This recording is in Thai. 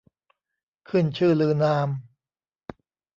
ขึ้นชื่อลือนาม